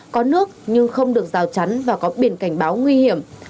có nước nhưng không được rào chắn và có biển cảnh báo nguy hiểm